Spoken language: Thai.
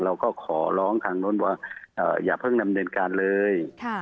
เราก็ขอร้องทางโน้นว่าอย่าเพิ่งดำเนินการเลย